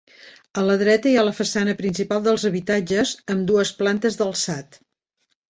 A la dreta hi ha la façana principal dels habitatges, amb dues plantes d'alçat.